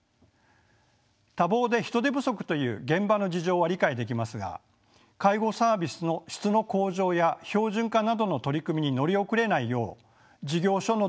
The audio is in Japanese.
多忙で人手不足という現場の事情は理解できますが介護サービスの質の向上や標準化などの取り組みに乗り遅れないよう事業所の努力も必要です。